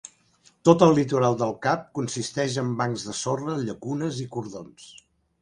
Tot el litoral del cap consisteix en bancs de sorra, llacunes i cordons.